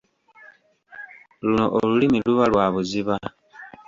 Luno olulimi luba lwa buziba.